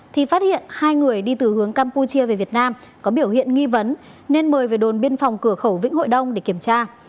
thì phát hiện hai người đi từ hướng campuchia về việt nam có biểu hiện nghi vấn nên mời về đồn biên phòng cửa khẩu vĩnh hội đông để kiểm tra